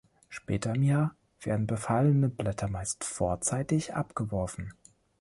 Später im Jahr werden befallene Blätter meist vorzeitig abgeworfen.